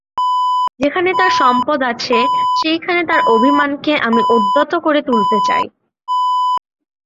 যেখানে তার সম্পদ আছে সেইখানে তার অভিমানকে আমি উদ্যত করে তুলতে চাই।